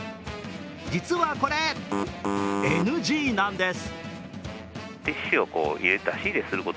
実はこれ、ＮＧなんです。